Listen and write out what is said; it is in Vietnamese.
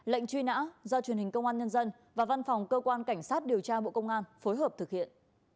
lệnh truy nã do truyền hình công an nhân dân và văn phòng cơ quan cảnh sát điều tra bộ công an phối hợp thực hiện